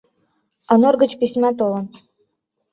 ОНОР ГЫЧ ПИСЬМА ТОЛЫН